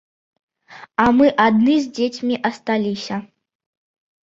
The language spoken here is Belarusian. А мы адны з дзецьмі асталіся.